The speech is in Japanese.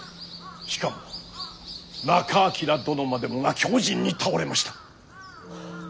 しかも仲章殿までもが凶刃に倒れました。